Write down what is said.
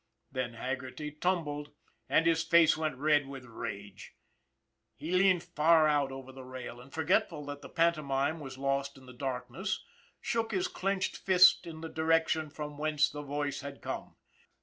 Then Haggerty tumbled, and his face went red with rage. He leaned far out over the rail, and, forgetful that the pantomime was lost in the darkness, shook his clinched fist in the direction from whence the voice had come.